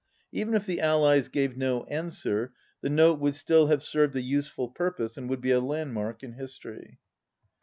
Even if the Allies gave no answer the Note would still have served a useful purpose and would be a landmark in history.